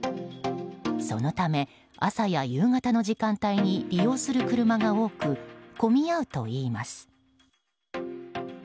そのため、朝や夕方の時間帯に利用する車が多く混み合うといいます。